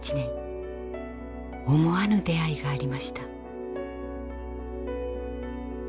思わぬ出会いがありました。